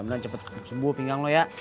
kemudian cepet sembuh pinggang lo ya